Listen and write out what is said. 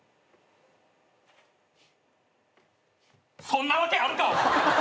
そんなわけあるか！